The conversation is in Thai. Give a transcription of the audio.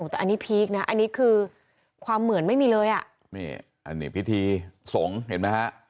แต่อันนี้พีคนะอันนี้คือความเหมือนไม่มีเลยอ่ะนี่อันนี้พิธีสงฆ์เห็นไหมฮะ